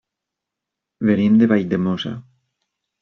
Venim de Valldemossa.